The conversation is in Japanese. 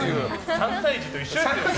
３歳児と一緒。